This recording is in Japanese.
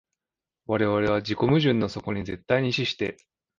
我々は自己矛盾の底に絶対に死して、